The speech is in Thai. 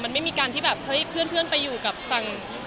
มันไม่มีการที่แบบเฮ้ยเพื่อนไปอยู่กับฝั่ง